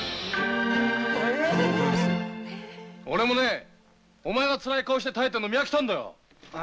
俺もね、お前がつらい顔して耐えてんの見飽きたんだよ！